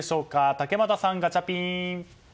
竹俣さん、ガチャピン。